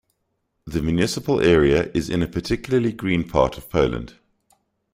The municipal area is in a particularly green part of Poland.